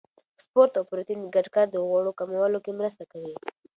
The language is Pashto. سپورت او پروتین ګډ کار د غوړو کمولو کې مرسته کوي.